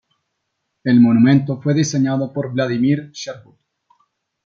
El monumento fue diseñado por Vladimir Sherwood.